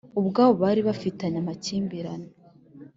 ubwabo bari bafitanye amakimbirane